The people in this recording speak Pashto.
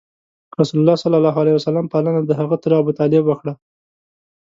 رسول الله ﷺ پالنه دهغه تره ابو طالب وکړه.